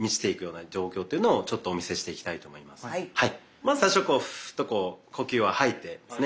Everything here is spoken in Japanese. まず最初ふぅっと呼吸を吐いてですね